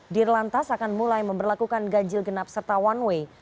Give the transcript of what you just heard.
di relantas akan mulai memperlakukan gajil genap serta one way